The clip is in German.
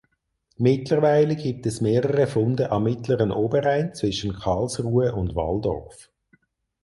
Mittlerweile gibt es mehrere Funde am mittleren Oberrhein zwischen Karlsruhe und Walldorf.